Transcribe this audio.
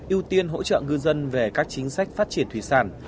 ưu tiên hỗ trợ ngư dân về các chính sách phát triển thủy sản